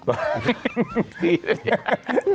สีเหลือง